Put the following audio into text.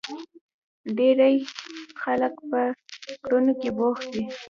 ډېری خلک په کړنو کې بوخت وي.